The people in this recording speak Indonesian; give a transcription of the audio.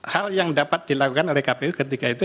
hal yang dapat dilakukan oleh kpu ketika itu